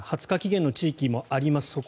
２０日期限の地域もあります